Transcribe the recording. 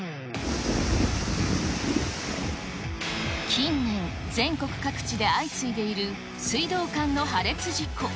近年、全国各地で相次いでいる水道管の破裂事故。